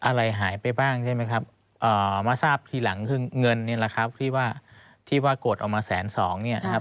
อะไรหายไปบ้างใช่ไหมครับมาทราบทีหลังคือเงินนี่แหละครับที่ว่าที่ว่ากดออกมาแสนสองเนี่ยนะครับ